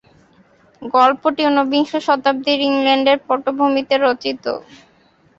গল্পটি উনবিংশ শতাব্দীর ইংল্যান্ডের পটভূমিতে রচিত।